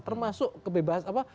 termasuk kebebasan apa